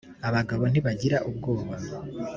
abagabo ntibagira ubwoba